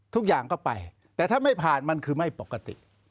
ทุกอย่างก็ไปแต่ถ้าไม่ผ่านมันคือไม่ปกติ